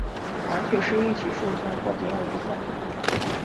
短曲是一曲数颂或仅有一颂。